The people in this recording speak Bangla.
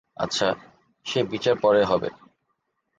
আচ্ছা, সে বিচার পরে হবে।